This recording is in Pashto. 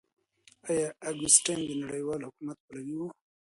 آيا اګوستين د نړيوال حکومت پلوي و؟